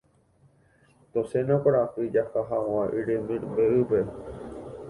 Tosẽna kuarahy jaha hag̃ua yrembe'ýpe.